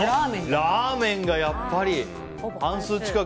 ラーメンがやっぱり半数近く。